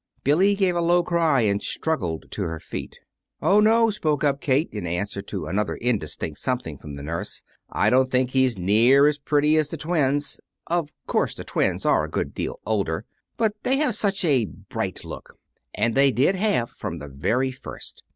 Billy gave a low cry, and struggled to her feet. "Oh, no," spoke up Kate, in answer to another indistinct something from the nurse. "I don't think he's near as pretty as the twins. Of course the twins are a good deal older, but they have such a bright look, and they did have, from the very first.